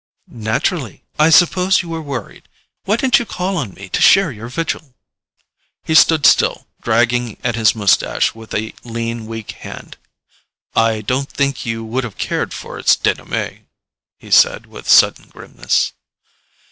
"Naturally—I suppose you were worried. Why didn't you call on me to share your vigil?" He stood still, dragging at his moustache with a lean weak hand. "I don't think you would have cared for its DENOUEMENT," he said with sudden grimness.